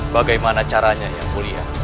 bagaimana caranya yang kuliah